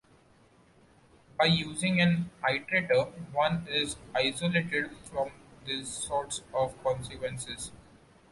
By using an iterator one is isolated from these sorts of consequences.